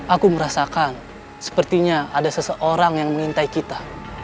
aku merasakan sepertinya ada seseorang yang mengintai kita